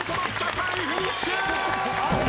３位フィニッシュ！